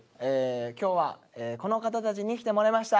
今日はこの方たちに来てもらいました。